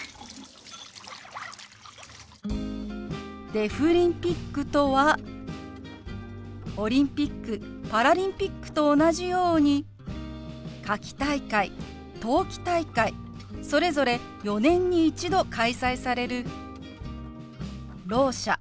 「デフリンピック」とはオリンピックパラリンピックと同じように夏季大会冬季大会それぞれ４年に一度開催されるろう者